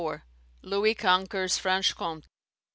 Louis conquers Franche Comte.